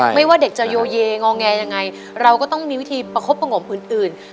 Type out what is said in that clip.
ว่าเด็กจะโยเยงอแงยังไงเราก็ต้องมีวิธีประคบประงมอื่น